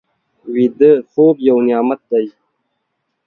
ویده خوب یو نعمت دی